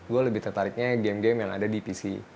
gue lebih tertariknya game game yang ada di pc